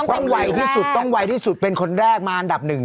ไวที่สุดต้องไวที่สุดเป็นคนแรกมาอันดับหนึ่ง